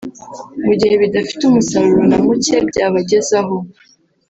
mu gihe bidafite umusaruro na muke byabagezaho